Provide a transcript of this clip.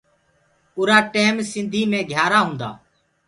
اُرآ ٽيم سنڌيٚ مي گھِيآرآ هونٚدآ۔